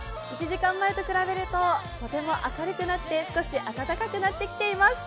１時間前と比べると、とても明るくなって少し暖かくなってきています。